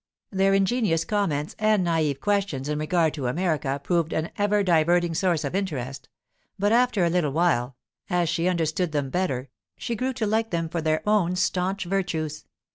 Their ingenious comments and naïve questions in regard to America proved an ever diverting source of interest; but after a little, as she understood them better, she grew to like them for their own stanch virtues.